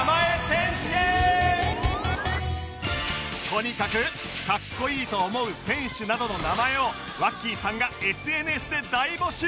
とにかくカッコいいと思う選手などの名前をワッキーさんが ＳＮＳ で大募集！